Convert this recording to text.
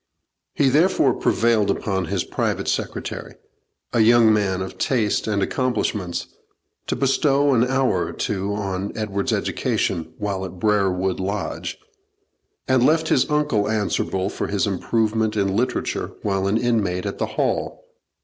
He therefore prevailed upon his private secretary, a young man of taste and accomplishments, to bestow an hour or two on Edward's education while at Brerewood Lodge, and left his uncle answerable for his improvement in literature while an inmate at the Hall.